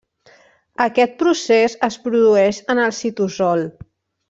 Aquest procés es produeix en el citosol.